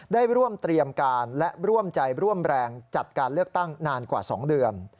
ได้ร่วมเตรียมการและร่วมใจร่วมแรงจัดการเลือกตั้งนานกว่า๒เดือน